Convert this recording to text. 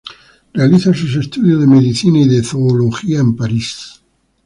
Realiza sus estudios de Medicina y de Zoología en París.